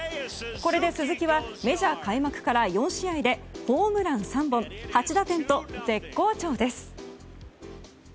これで鈴木はメジャー開幕から４試合でホームラン３本８打点と絶好調です。